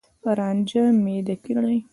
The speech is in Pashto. رانجه میده کړي